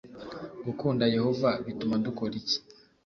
Gukunda yehova bituma dukora iki